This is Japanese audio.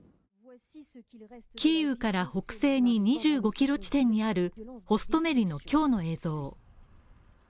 キーウから北西に２５ｋｍ地点にあるホストメリの今日の映像。